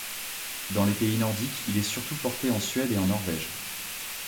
Dans les pays nordiques, il est surtout porté en Suède et en Norvège.